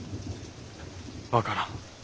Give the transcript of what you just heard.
分からん。